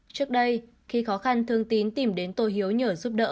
trước đây khi khó khăn thương tín tìm đến tôi hiếu nhờ giúp đỡ